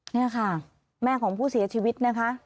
นี่ค่ะแม่ของผู้เสียชีวิตนะคะ